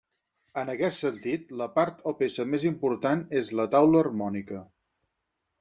En aquest sentit, la part o peça més important és la taula harmònica.